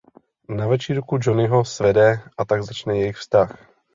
Na večírku Johnnyho svede a tak začne jejich vztah.